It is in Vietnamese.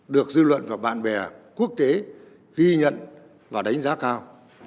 được dư luận và bạn bè quốc tế ghi nhận và đánh giá cao